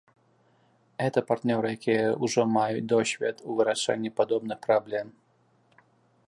Гэта партнёры, якія ўжо маюць досвед у вырашэнні падобных праблем.